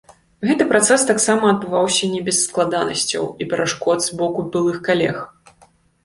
Гэты працэс таксама адбываўся не без складанасцяў і перашкод з боку былых калег.